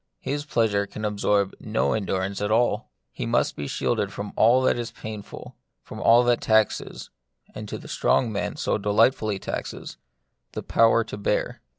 His pleasure can absorb no en durance at all. He must be shielded from all that is painful, from all that taxes, and to the strong man so delightfully taxes, the power to bear.